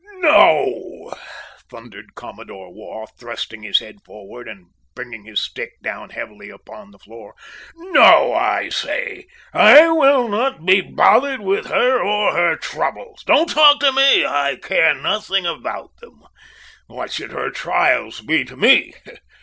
"No," thundered Commodore Waugh, thrusting his head forward and bringing his stick down heavily upon the floor. "No, I say! I will not be bothered with her or her troubles. Don't talk to me! I care nothing about them! What should her trials be to me?